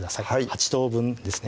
８等分ですね